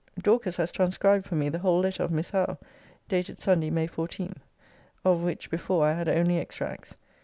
Dorcas has transcribed for me the whole letter of Miss Howe, dated Sunday, May 14,* of which before I had only extracts.